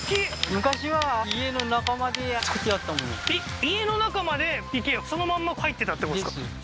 昔は家の中まで造ってあったえっ家の中まで池そのまんま入ってたってことですか？